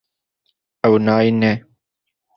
Ew nayîne.